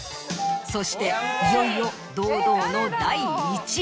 そしていよいよ堂々の第１位。